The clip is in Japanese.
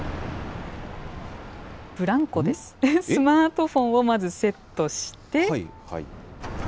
スマートフォンをまずセットして。